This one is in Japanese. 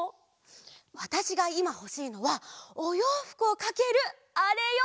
わたしがいまほしいのはおようふくをかけるあれよ！